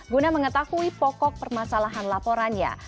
guna mengetahui pokok permasalahan laporannya